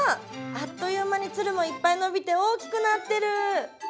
あっという間につるもいっぱい伸びて大きくなってる！